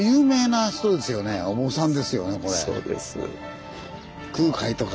そうです。